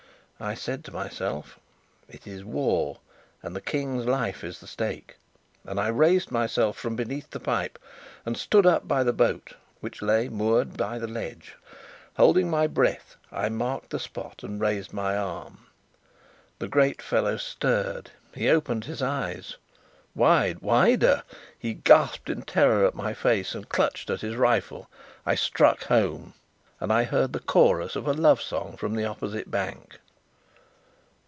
I said to myself: "It is war and the King's life is the stake." And I raised myself from beneath the pipe and stood up by the boat, which lay moored by the ledge. Holding my breath, I marked the spot and raised my arm. The great fellow stirred. He opened his eyes wide, wider. He gasped in terror at my face and clutched at his rifle. I struck home. And I heard the chorus of a love song from the opposite bank.